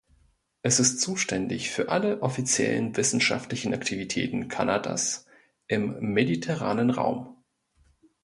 Es ist zuständig für alle offiziellen wissenschaftlichen Aktivitäten Kanadas im mediterranen Raum.